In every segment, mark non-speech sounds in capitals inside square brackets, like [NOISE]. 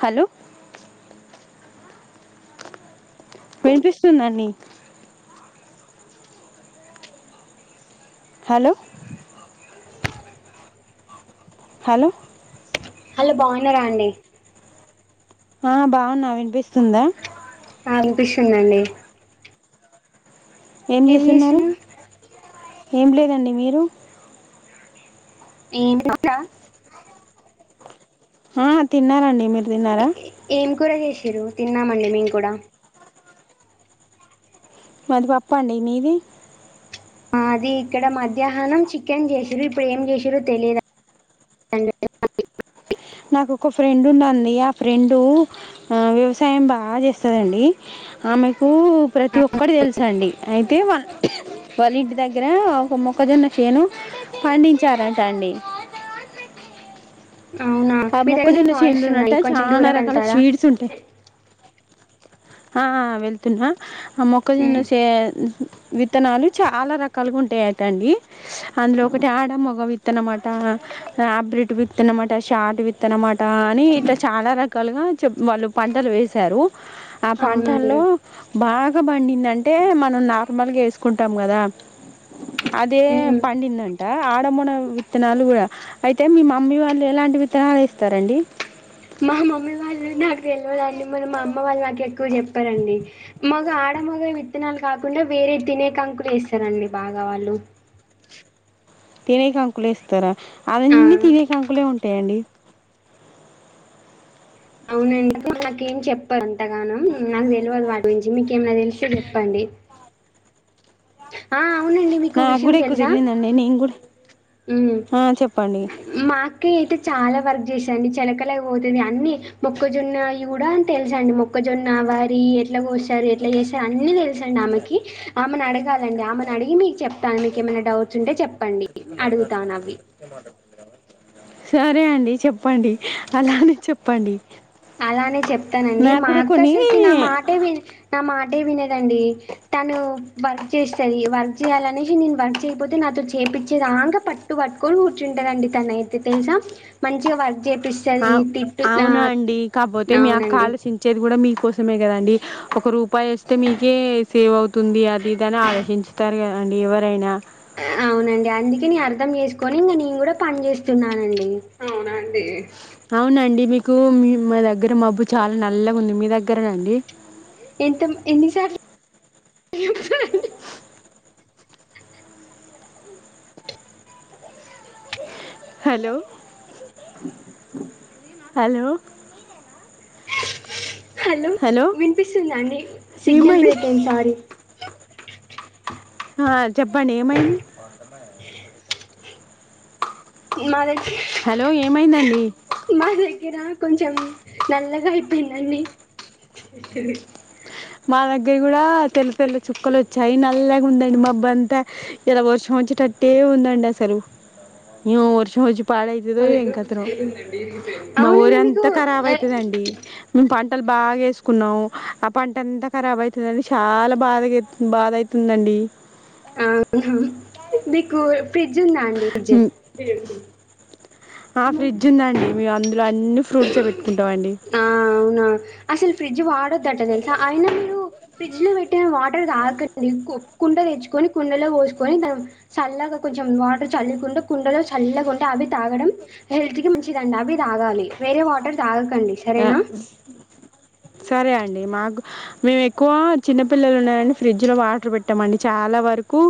Hello వినిపిస్తుందండి hello అ hello hello బాగున్నారా అండి ఆ బాగున్నా వినిపిస్తుంద అ వినిపిస్తుందండి ఏం చేస్తున్నారు ఏం లేదండి మీరు [UNINTELLIGIBLE] ఆ తిన్నారండి మీరు తిన్నారా ఏం కూర చేసి చిరు తిన్నామండి మేము కూడ మాది పప్ అండి మీది అది ఇక్కడ మధ్యాహ్నం చికెన్ జేసిర్రు ఇప్పుడు ఏం జేసిర్రు తెలి [UNINTELLIGIBLE] నాకు ఒక ఫ్రెండ్ ఉందిడి ఆ ఫ్రెండు వ్యవసాయం బా చేస్తదండి ఆమెకు ప్రతి ఒక్కటి తెలుసు అయితే వల్ల ఇంటి దగ్గర ఒక మొక్కజొన్న చేను పండించారంట అండి అవునా ఆ మీ దగ్గర నేను మొక్కజొన్న నాయిస్ చేనులు ఉన్నాయి ఉన్నంటే కొంచెం చాలా దూరం రకాల వెళ్తారా స్వీట్స్ ఉంటాయి ఆ వెళ్తున్న మొక్కజొన్న ఉమ్, చేన్ విత్తనాలు చాలా రకాలుగా ఉంటాయిటండి అందులో ఒకటి ఆడ మొగ విత్తనమాట ఆబ్రిట్ విత్తనమాట షాట్ విత్తనమాట అని ఇట్లా చాలా రకాలుగ చె వాళ్ళు పంటలు వేశారు ఆ పంటల్లో అవునండి బాగ చకబండిందంటే మనం నార్మల్గా వేసుకుంటాం కదా అదే ఉమ్. పండిందండి ఆడమూడ విత్తనాలు కూడా అయితే మీ మమ్మీ వాళ్ళు ఎలాంటి విత్తనాలు వేస్తరండి మా మమ్మీ వాళ్ళ న తెల్వదండి మా అమ్మ వాళ్ళ నా ఎక్కు చెప్పారండి మాగ ఆడమగ విత్తనాలు కాకుండా వేరే తినే కాంకులు వేస్తారండి బాగా వాళ్ళు తినే కంకులేస్తర అవెన్నీ ఆ తినే కంకులే ఉం టయండి అవునండి నాకేం చెప్పరు అంత గానం నాకు తెలవదు వాటి గురించి మీకేమ తెలు క చెప్పండి ఆ అవునండి. మీకో నాకు విషయం కూడా ఎక్కువ తెలుసా? తెలిదండి నేను కూడా హ్మ్. ఆ చెప్పండి మా అక్కయ్య అయితే చాలా వర్క్ చేశా అండీ చెలకలే ఓతే అన్ని మొక్కజొన్నయి కూడా తెలుసండి మొక్కజొన్న వరి ఎట్ల గోశారు ఎట్లా జేశరు అన్ని తె సండి ఆమెకి ఆమెనడగాల్ అండి ఆమెనడిగి మీకు చెప్తాను మీకెమనా డౌట్స్ ఉంటే చెప్పండి పద మాట అడుగుతానవి. ప మాట [UNINTELLIGIBLE] సరే అండి చెప్పండి అలానే చెప్పండి అలానే చెప్తానండి నాకు మా కూడా అక్క కొన్ని అసలికి నా మాటే వి నా మా టె వినదండి తను వర్క్ జేస్తది వర్క్ జేయాలనేషి నే వర్క్ చేయకపోతే నాతో చేేపిచ్చే దాంక పట్టు వట్కొని కూర్చుంటదండి తనే తె తెలుసా మంచిగ వర్క్ జెప్ పిస్తది తిట్టు ఆ కాపోతే మీ అక్క అవునండి. ఆలోచించేది గూ కూడా మీకోసమే కదండి ఒక రూపాయి ఒస్తే మీకే సేవ్ అవుతుంది అది ఇదని ఆలోచించుతారు కదండి ఎవరైనా ఆ అవునండి అందుకే నే అర్ధం చేసుకొని ఇంగ నేను కూడా పని జేస్ స్తున్నానండి అవునండి అవునండి మీకు మీ మా దగ్గర మబ్బు చాలా నల్లగా ఉంది మీ దగ్గరండి ఎంత మ ఎన్ని సార్లు హలో హలో హలో వినిపిస్తుందా అండి సిగ్నల్ ఏమైంది బ్రేక్ అయింది సారీ స [UNINTELLIGIBLE] ఆ చెప్పండి ఏమైంది ఉ మారజు హలో ఏమైందండి మా దగ్గర కొంచెం నల్లగా అయిపోయిందండి మా దగ్గర కూడా తెల్ల తెల్ల చుక్కలు వచ్చాయి నల్లగుందండి మబ్బంతా ఏదో వర్షం ఒచ్చేటట్టే ఉందండి అసలు ఈ వర్షం ఒచ్చి పాడయితదో ఏంకతనో మా ఊరి అవునండి మీకు అంతా కరాబ్ ఏ, ఐతదండి మేం పం టలు బాగా ఏసుకున్నావ్ ఆ పం ట్ట అంత కరాబ్ ఐతదని చాలా బాధగై బాధ ఐతుందండి అవు దికు ఫ్రిడ్జ్ ఉంద అండి ఫ్రిడ్జ్ ఆ ఫ్రిడ్జ్ ఉందా అండి మేం అందులో అన్ని ఫ్రూట్సే వెట్టుకుంట మండీ ఆ, అవునా అసలు ఫ్రిడ్జ్ వాడొద్దట దెల్సా ఐనా మీరు ఫ్రిడ్జ్లో పెట్టిన వాటర్ తాక ని కు కుండ తెచ్చుకొని కుండలో పోసుకొని త చల్లగా కొంచెం వాటర్ చల్లికుండా కుండలో చల్లకుండా అవి తాగడం హెల్త్ కి మంచి దండ అవి తాగాలి వేరే వాటర్ తాగ అ సరే అండి మాకు మేము ఎక్కువ చిన్నపిల్లలు ఉన్నారండి ఫ్రిడ్జ్లో వాటర్ పెట్టమండి చాలా వరకు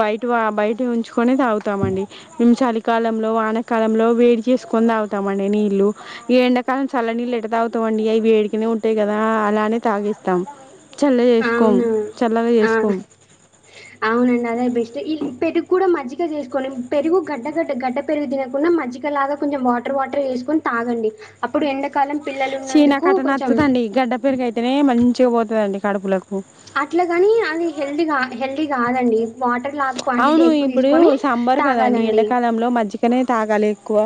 బయట బయట ఉంచుకునేది తాగుతామండి మేము చలికాలంలో వానకాలంలో వేడి చేసుకొని తాగుతామండి నీళ్ళు ఈ ఎండ కానీ చల్లనీళ్ళు ఎట్ట తాగుతామండి అవి వేడిగానే ఉంటాయి కదా అలానే తాగిస్తాం అవునా అవునండి అదే బెస్ట్ ఇ పెరుగు కూడా మజ్జిగ మ చేసుకొని పెరుగు గడ్డగడ్డ గడ్డ పెరుగు తినకుండా మజ్జిగ లాగా కొంచెం వాటర్ వాటర్ వేసుకొని తాగండి అప్పుడు ఎండకాలం చీనా కట్ట నచ్చదండి గడ్డ పెరుగ అయితేనే మంచి బోతు వ అండి కడపులకుకు అట్లా గాని అది హెల్తీగకా హెల్దీ కాదండి వాటర్ లా క్వాంటిటీ అవును ఎక్కువ ఇప్పుడు తీసుకొని సాంబార్ కదండి తాగాలండి ఎండాకాలంలో మజ్జిగనే తాగాలి ఎక్కువ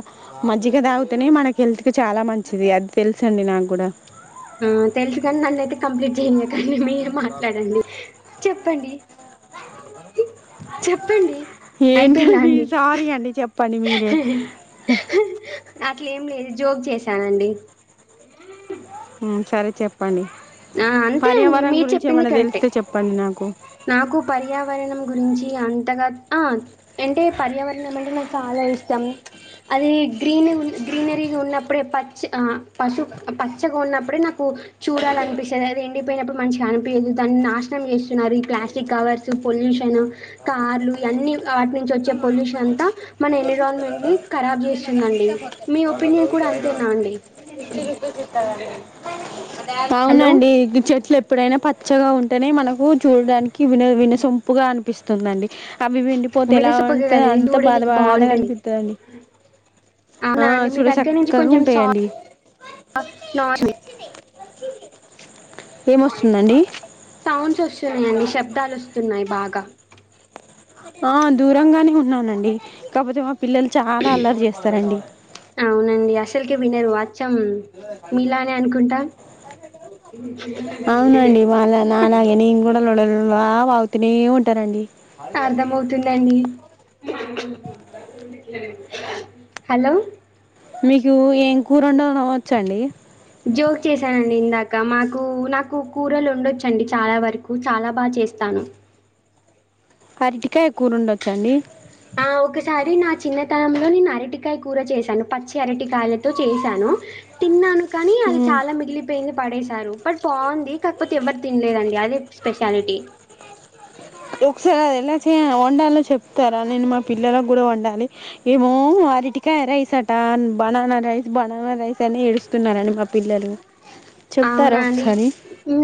మజ్జిగ తాగితేనే మనకి హెల్త్ కి చాలా మంచిది అది తెలుస అండి నాకు కూడా స అ మీరు మాట్లాడండి చెప్పండి చెప్పండి ఏంటీ అండి సారీ అండి చెప్పండి మీరే అట్లే ఏం లేదు జోక్ చేశానండి సరే చెప్పండి ఆ! అంతే అండి. పర్యావరణ మీరు గురించి చెప్పింది ఏమైన్నా కరెక్టే. తెలిస్తే చెప్పండి నాకు నాకు పర్యావర్ణం గురించి అంతగా ఆ అంటే పర్యావర్ణం అంటే నాకు చాలా ఇష్టం ప్చ్ అది గ్రీన్ గ్రీనరీగా ఉన్నప్పుడే పచ్చి ఆ పశు పచ్చగా ఉన్నప్పుడే నాకు చూడలానిపిస్తది అది ఎండిపోయినప్పుడు మంచిగా అనిపియ్యదు దాన్ని నాశనం చేస్తున్నారు ప్లాస్టిక్ కవర్సు పొల్యూషన్ కార్లు ఇయన్ని వాట్నుంచి వచ్చే పొల్యూషన్అంతా మన ఎన్విరాన్మెంట్ ని ఖరాబ్ చేస్తుందండి మీ ఒపీనియన్ కూడా అంతేనా అండి అవును హలో! అండి ఈ చెట్లు ఎప్ ఎప్పుడైనా పచ్చగా ఉంటేనే మనకు చూడ్డానికి విన వినసొంపుగా అనిపిస్తుందిఅండి అవి వెండిపోతే ఎలా వినసొంపుగా అంతే కదండీ అంతా బాధ చూడనీకి బాధ బావుంటది. కనిపిస్తుందన్డి ఆ అవునా అండి? మీ చూడా దగ్గర నుంచి చక్కగా కొంచెం సౌండ్ ఉంటాయన్డి నాయిస్ సౌండ్స్ వచ్చ అన్ని శబ్దాలు వస్తు న్నాయి బాగా ఆ దూరంగానే ఉన్నానండి కాకపోతే మా పిల్లలు చాలా అల్లరి చేస్తారండి అవునండి అసలుకే వినరు అచ్చం మీలానే అనుకుంటా అవునండి మాలా నా అలాగే నే కూడా లోడ లోడ్ వాగుతూనే ఉంటానండి అర్థంమవుతుందండి హలో మీకు ఏం కూర ఉండ అవచ్చండి జోక్ చేశానండి ఇందాక మాకు నాకు కూరలు ఉండొచ్చండి చాలా వరకు చాలా బాగా చేస్తాను అరటికాయ కూర ఉండొచ్చండి ఆ! ఒకసారి నా చిన్నతనంలో నేను అరటికాయ కూర చేసాను పచ్చి అరటికాయలతో చేసాను తిన్నాను కానీ అది ఉమ్ చాలా మిగిలిపోయింది పడేస బట్ బాగుంది కాకపోతే ఎవరు తినలేదండి అదే స్పెషాలిటీ ఒకసారి అది ఎలా చే వండాలో చెప్తారా? నేను మా పిల్లలకు కూడా వండాలి ఏమో అరిటికాయ రైస్ అంట బనానా రైస్ బనానా రైస్ అని ఏడుస్తున్నారండి మా పిల్లలు. చెప్తారా అవునండి ఒకసారి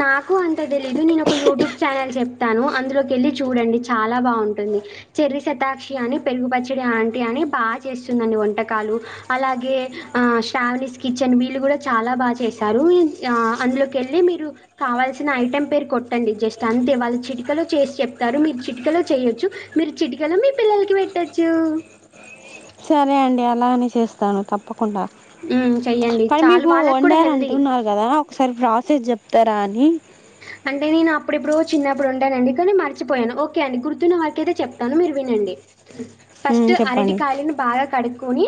నాకు అంత తెలీదు నేను ఒక యూట్యూబ్ ఛానల్ చెప్ స్తాను అందులోకి వెళ్ళి చూడండి చాలా బాగుంటుంది చెర్రి శతాక్షి అని పెరుగు పచ్చడి ఆంటీ అని బాగా చేస్తుందండి వంటకాలు అలాగే ఆ శ్రావనిస్ కిచెన్ వీళ్ళు కూడా చాలా బాగా చేస్తారు. ఇ అందులోకి వెళ్ళి మీరు కావాల్సిన ఐటెం పేరు కొట్టండి జస్ట్ అంతే వాళ్ళు చిటికలో చేసి చెప్తారు మీరు చిటికలో చేయొచ్చు మీరు చిటికలో మీ పిల్లలకి పెట్టచ్చు సరే అండి అలానే చేస్తాను తప్పకు కుండ హ్మ్. చెయ్యండి. మరి చాలు మీకు వాళ్ళకి కూడా వండారు హెల్తీ. అంటున్నారు కదా ఒకసారి ప్రాసెస్ చెప్తారా అని అంటే నేను అప్పుడెప్పుడో చిన్నప్ ఇప్పుడు ఉండనండి కానీ మర్చిపోయాను ఓకే అండి గుర్తున్న వారికియితే చెప్తాను మీరు వినండి మ్మ్, ఫస్ట్ అరటి చెప్పండి కాయలను బాగా కడుకొ కొని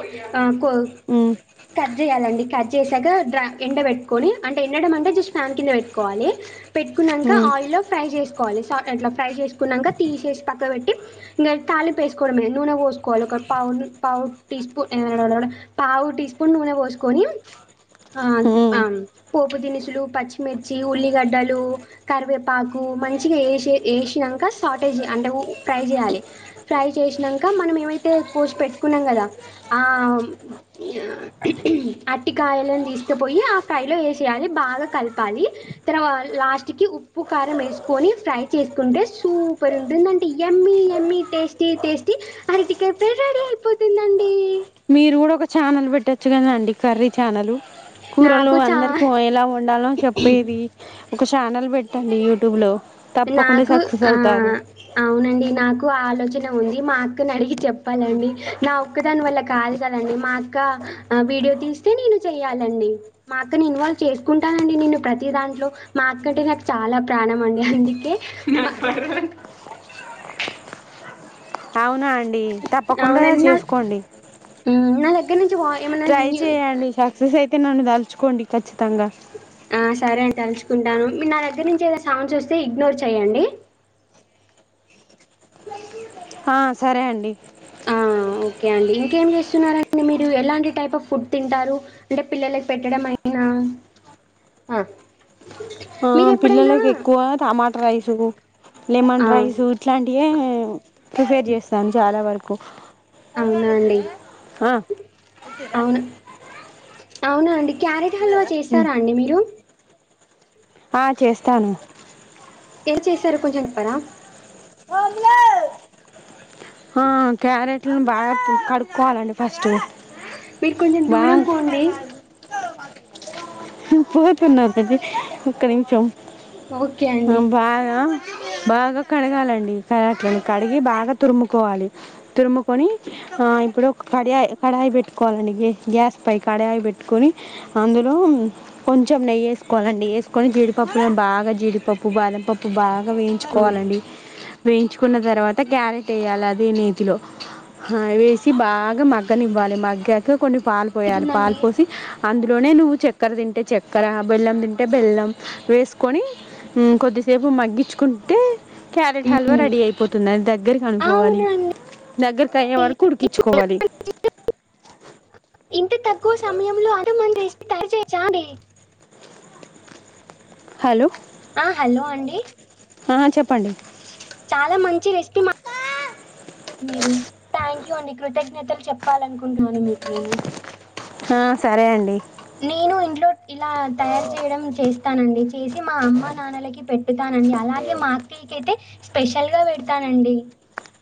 మ్మ్, కట్ చేయాలండి కట్ చేసాక డ్ర ఎండ పెట్టుకొని అంటే ఎండడం అంటే జస్ట్ ఫ్యాన్ కింద పెట్టుకోవాలి పెట్టుకున్నాక మ్మ్, ఆయిల్లో ఫ్రై చేసుకోవాలి స అట్లా ఫ్రై చేసుకున్నాక తీసేసి పక్క పెట్టి ఇంకా తాలింపు వేసుకోవడమే నూనె పోసుకోవాలి ఒక పావు పావు టీ స్పూన్ పావు టీ స్పూన్ నూనె పోసుకొని ఆ మ్మ్. ఆ పోపు దినుస్ లు పచ్చిమిర్చిలు ఉల్లిగడ్డలు కరివేపాకు మంచిగా ఏశి ఏశినంక షార్టేజ్ [INAUDIBLE] అంటె ఫ్రై చేయాలె. ఫ్రై చేసినంక మనం ఏమైతే కోసి పెట్టుకున్నాం కదా, ఆ అర్టికాయలను తీస్కపోయి ఆ ఫ్రై లో ఏసేయాలి బాగా కల్పాలి తర్వాత్ లాస్ట్కి ఉప్పు కారం వేసుకొని ఫ్రై చేసుకుంటే సూపర్ ఉంటుందంటి యమ్మీ యమ్మీ టేస్టీ టేస్టీ అరటికాయ ఫ్రై రెడీ అయిపోతుందండి. మీరు కూడా ఒక ఛానల్ పెట్టచ్చు కదా అండి కర్రీ ఛానలు కూరలు నాకు చా అందరితో ఎలా వండాలో చెప్పేది ఒక ఛానల్ పెట్టండి యూట్యూబ్ లో నాకు ఆ అవునండి నాకు ఆ ఆలోచన ఉంది. మా అక్కను అడిగి చెప్పాలండి నా ఒక్క దాని వల్ల కాదు కదండి మా అక్క వీడియో తీస్తే నేను చెయ్యాలండి. మా అక్క న ఇన్వాల్వ్ చేసుకుంటానండి నేను ప్రతి దాంట్లో మా అక్కంటే నాకు చాలా ప్రాణం అండి అ ఆ పర్వాలేదండి [UNINTELLIGIBLE] అవునా అన్ అండి తప్పకుండా అవునండి. నా చేసుకోండి హ్మ్. నా దగ్గర నుంచి వా ఏమన్నా ట్రై న్యూ చేయండి అక్ స్ అయితే నన్ను దలుచుకోండి ఖచ్చితంగా ఆ! సరే అని తలుచుకుంటాను మీరు నా దగ్గర నుంచి ఏదనా సౌండ్స్ వస్తే ఇగ్నోర్ చేయండి ఆ సరే అండి ఆ! ఓకే అండి ఇంకేం చేస్తున్నారండి, మీరు ఎలాంటి టైప్ ఆఫ్ ఫుడ్ తింటారు, అంటే పిల్లలకి పెట్టడం అయినా ఆ మీరు ఎప్పుడైనా పిల్లలకి ఎక్కువ టమాట్ రైసుకు లెమన్ ఆ! రైస్ ఇట్లాంటియే ప్రిపేర్ చేస్తాను చాలా వరకు అవునా అండి. కొ ఆ అవును. అవునా అండి క్యారెట్ హల్వా చేస్తారా అండి మీరు ఆ చేస్తాను ఎల చేశారు కొంచెం చెప్పరా ఆ క్యారెట్లను బాగా కడుక్కోవాలండి ఫస్ట్ మీరు కొంచెం దూరం పోండి పోతున్న ఒక నిమిషం ఓకే అండి. బాగా బాగా కడగాలం డి క్యారెట్లను కడిగి బాగా తురుముకోవాలి. తురుముకొని ఇప్పుడు కడియాయి, కడాయి పెట్టుకోవాలండి గే గ్యాస్ పై కడాయిపెట్టుకొని అందులో కొంచెం నెయ్యి వేసుకోవాలండి. వేసుకొని జీడిపప్పు బాగా జీడిపప్పు, బాదంపప్పు బా గా ఆ! వేయించుకోవాలండి వేయించుకున్న తర్వాత క్యారెట్ వేయాలి అదే నేతిలో వేసి బాగా మగ్గనివ్వాలి మగ్గాక కొన్ని పాలు పోయాలి పాలు ఎంతుందండి? పోసి అందులోనే నువ్వు చక్కర తింటే చక్కెర బెల్లం తింటే బెల్లం వేసుకొని కొద్దిసేపు మగ్గించుకుంటే క్యా హల్వా హ్మ్. రెడీ అయిపోతుంది అది దగ్గర కనుక్కో వాలి అవునా అండి. దగ్గర్ కయ్యే వరకు ఉడికించుకోవాలి ఇంత తక్కువ సమయంలో అంతమంది డిష్ తయరు చేయ్ చాదే హలో ఆ హలో అండి ఆ చెప్పండి చాలా మంచి రెసిపి మా మీరు థ్యాంక్ యూ అండి కృతజ్ఞతలు చెప్పాలనుకుంటున్నాను మీకు నేను ఆ సరే అండి నేను ఇంట్లో ఇలా తయారు చేయడం చేస్తానండి చేసి మా అమ్మనాన్నలకి పెట్టుతానండి అలాగే మా అక్కయ్యకి అయితే స్పెషల్ గా పెడ్తానండి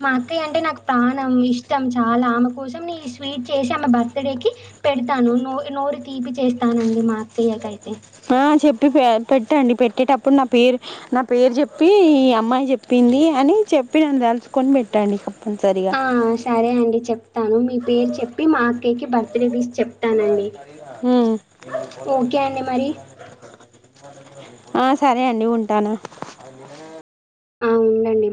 మా అక్కయ్య అంటే నాకు ప్రాణం ఇష్టం చాలా ఆమె కోసం ఈ స్వీట్ చేశి ఆమె బర్తడేకి పెడతాను నూరి నూరి తీపి చేస్తానండి మా అక్కయ్యాకు అయితే ఆ చెప్పి పె పెట్టండి పెట్టేటప్పుడు నా పేరు నా పేరు చెప్పి ఈ అమ్మాయి చెప్పింది అని చెప్పి నన్ను తెలుచుకొని పెట్టండి కంపల్సరిగా ఆ సరే అండి చెప్తాను మీ పేరు చెప్పి మా అక్కయకి బర్ త్ డే విష్ చెప్తానండి. హు ఇ కొలమ్ ఓకే అండి మరి. [INAUDIBLE] ఆ సరే అండి ఉంటాను ఆ! ఉండండి.